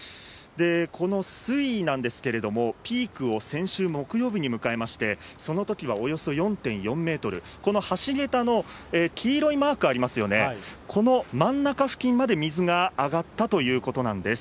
この水位なんですけれども、ピークを先週木曜日に迎えまして、そのときはおよそ４．４メートル、この橋桁の黄色いマークありますよね、この真ん中付近まで水が上がったということなんです。